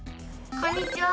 こんにちは！